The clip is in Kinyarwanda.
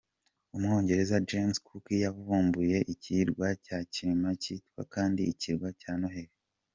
Umwongereza James Cook yavumbuye ikirwa cya Kirimati cyitwa kandi ikirwa cya Noheli.